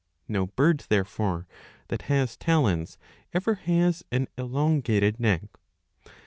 No bird, therefore, that has talons ever has an elongated neck.